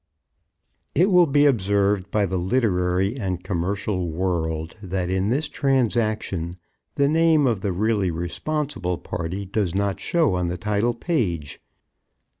It will be observed by the literary and commercial world that, in this transaction, the name of the really responsible party does not show on the title page.